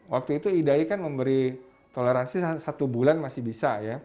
waktu itu idaikan memberi toleransi satu bulan masih bisa